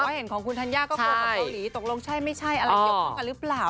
เห็นของคุณธัญญาก็โคลกกับเคาหลีตรงลงใช่ไม่ใช่เอาอะไรเกี่ยวกับพวกเราหรือเปล่า